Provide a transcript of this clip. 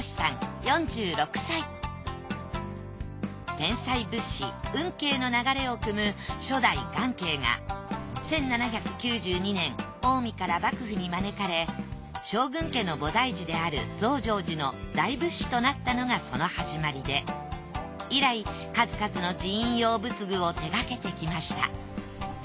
天才仏師運慶の流れを汲む初代元慶が１７９２年近江から幕府に招かれ将軍家の菩提寺である増上寺の大仏師となったのがその始まりで以来数々の寺院用仏具を手掛けてきました。